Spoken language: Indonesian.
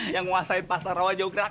yang nguasai pasar rawa jauh gerak